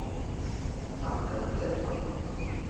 什錦漬物